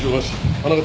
花形。